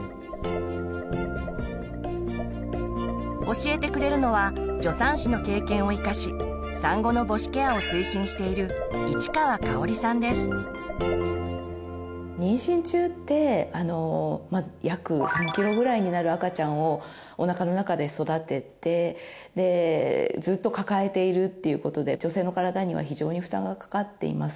教えてくれるのは助産師の経験を生かし産後の母子ケアを推進している妊娠中ってまず約３キロぐらいになる赤ちゃんをおなかの中で育ててずっと抱えているっていうことで女性の体には非常に負担がかかっています。